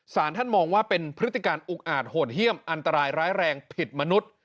สารท่านมองว่าเป็นพฤติการอุกอาจโหดเยี่ยมอันตรายร้ายแรงผิดมนุษย์